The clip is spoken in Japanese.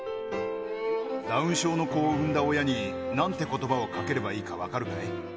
ダウン症の子を産んだ親になんてことばをかければいいか分かるかい？